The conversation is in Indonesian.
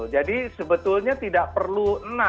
jadi sebetulnya tidak perlu enam